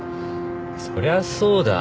そりゃそうだ